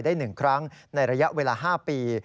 ได้๑ครั้งในระยะเวลา๕ปี